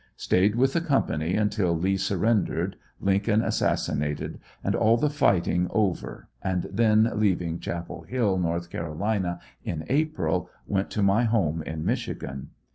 Stayed with the company until Lee surrendered, Lincoln assassina ted and all the fighting over and then leaving Chapel Hill, North Carolina, in April, went to my home in Michigan.